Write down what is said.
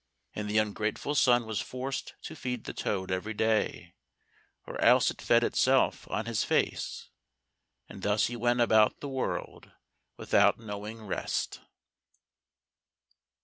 And the ungrateful son was forced to feed the toad every day, or else it fed itself on his face; and thus he went about the world without knowing rest.